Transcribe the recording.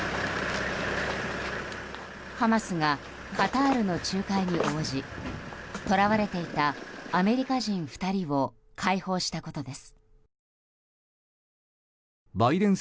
ハマスがカタールの仲介に応じ捕らわれていたアメリカ人２人を解放したことです。